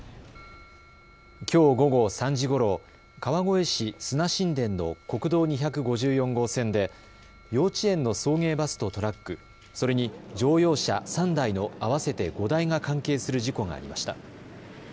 きょう午後３時ごろ川越市砂新田の国道２５４号線で幼稚園の送迎バスとトラック、それに乗用車３台の合わせて５台が関係する事故がありました。